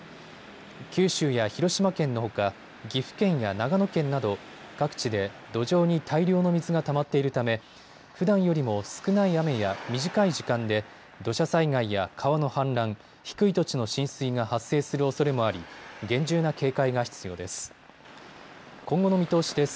九州や広島県のほか、岐阜県や長野県など各地で土壌に大量の水がたまっているためふだんよりも少ない雨や短い時間で土砂災害や川の氾濫、低い土地の浸水が発生するおそれもあり厳重な警戒が必要です。